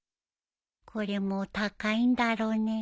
これも高いんだろうね